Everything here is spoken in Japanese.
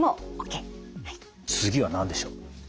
次は何でしょう？